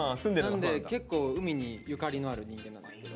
なので結構海にゆかりのある人間なんですけど。